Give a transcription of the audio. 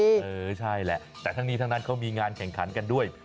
เออใช่แหละแต่ทั้งนี้ทั้งนั้นเขามีงานแข่งขันกันด้วย